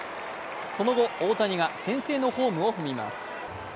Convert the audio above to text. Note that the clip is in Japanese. その後、大谷が先制のホームを踏みます。